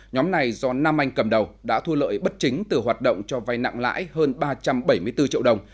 nhóm này do nam anh cầm đầu đã thua lợi bất chính từ hoạt động cho vay nặng lãi hơn ba trăm bảy mươi bốn triệu đồng